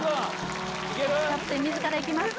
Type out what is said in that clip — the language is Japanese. キャプテン自らいきます